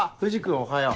おはよう。